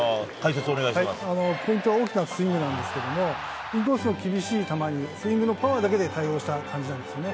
ポイントは大きなスイングなんですけども、インコースの厳しい球に、スイングのパワーだけで対応した感じなんですね。